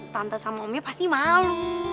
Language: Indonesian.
tante sama omnya pasti malu